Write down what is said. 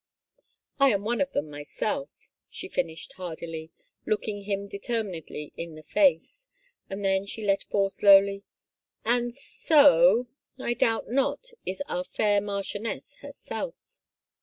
... I am one of 239 THE FAVOR OF KINGS them myself," she finished hardily, looking him det^ minedly in the face, and then she let fall slowly, " And so, I doubt not, is our fair marchioness herself."